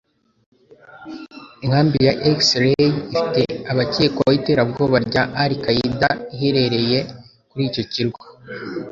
Inkambi ya X-Ray, ifitemo abakekwaho iterabwoba rya Al-Qaeda iherereye kuri icyo kirwa